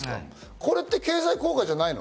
これって経済効果じゃないの？